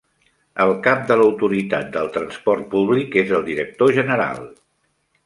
El cap de l'Autoritat del Transport Públic és el director general.